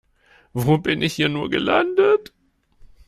Wo bin ich hier nur gelandet?